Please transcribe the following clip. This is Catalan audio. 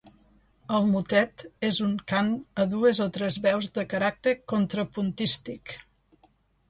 El motet és un cant a dues o tres veus de caràcter contrapuntístic.